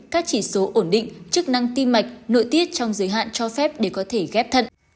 các chỉ số ổn định chức năng tim mạch nội tiết trong giới hạn cho phép để có thể ghép thận